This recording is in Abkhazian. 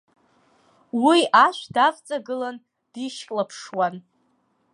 Уи ашә дывҵагылан дишьклаԥшуан.